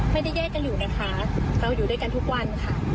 ไม่ได้แยกกันอยู่นะคะเราอยู่ด้วยกันทุกวันค่ะ